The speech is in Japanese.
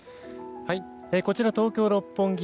こちら東京・六本木